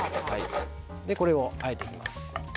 これをあえていきます。